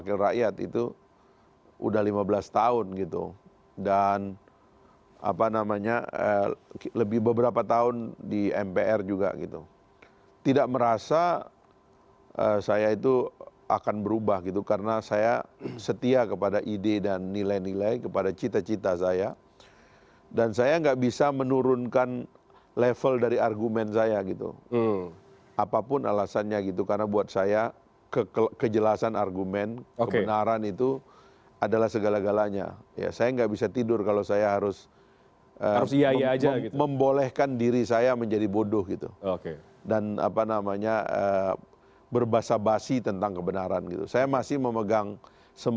kalau enggak nanti kapal ini muter muter kehabisan bensin bisa karam